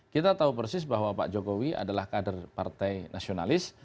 kita tahu persis bahwa pak jokowi adalah kader partai nasionalis